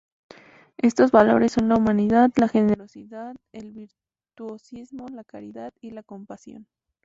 Estos valores son la humildad, la generosidad, el virtuosismo, la caridad y la compasión.